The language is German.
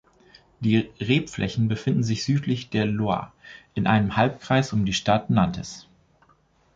Die Rebflächen befinden sich südlich der Loire in einem Halbkreis um die Stadt Nantes.